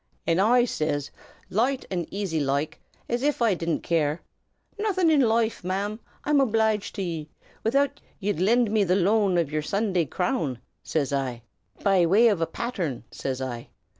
"An' I says, loight and aisy loike, all as if I didn't care, 'Nothin' in loife, ma'm, I'm obleeged to ye, widout ye'd lind me the loan o' yer Sunday crownd,' says I, 'be way av a patthern,' says I.